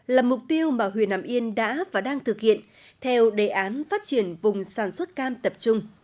là mục tiêu mà huyện hàm yên đã và đang thực hiện theo đề án phát triển vùng sản xuất cam tập trung